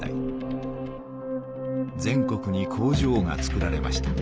全国に工場がつくられました。